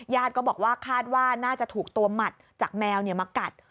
ก็บอกว่าคาดว่าน่าจะถูกตัวหมัดจากแมวมากัด